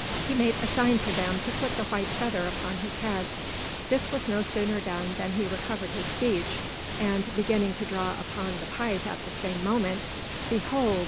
He made a sign to them to put the white feather upon his head. This was no sooner done than he recovered his speech, and, beginning to draw upon the pipe at the same moment, behold!